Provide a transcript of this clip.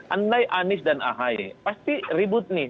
andai anis dan ahai pasti ribut nih